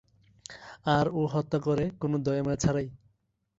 আর ও হত্যা করে কোন দয়ামায়া ছাড়াই।